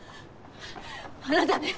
あなたね？